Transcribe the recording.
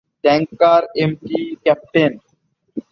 Tanker MT "captain."